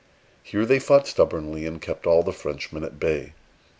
Here they fought stubbornly, and kept all the Frenchmen at bay.